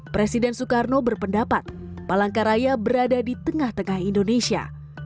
presiden soekarno berpendapat palangkaraya berada di tengah tengah indonesia